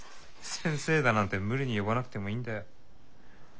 先生だなんて無理に呼ばなくてもいいんだよ。